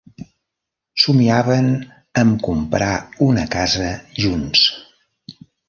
Somiaven amb comprar una casa junts.